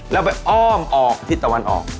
แล้วไปอ้อมออกทิศตะวันออก